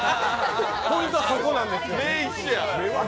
ポイントはそこなんですよ。